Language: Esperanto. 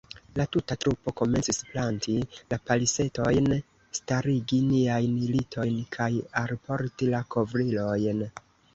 La tuta trupo komencis planti la palisetojn, starigi niajn litojn kaj alporti la kovrilojn.